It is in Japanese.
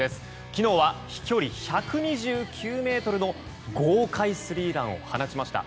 昨日は飛距離１２９ｍの豪快スリーランを放ちました。